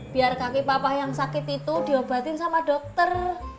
biar kaki papa yang sakit itu diobatin sama dokter